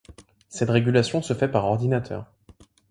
Cette régulation se fait par ordinateur.